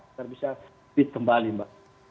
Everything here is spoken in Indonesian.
agar bisa fit kembali mbak